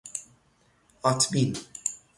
آتبین